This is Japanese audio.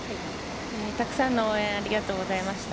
たくさんの応援ありがとうございました。